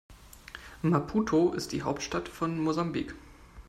Maputo ist die Hauptstadt von Mosambik.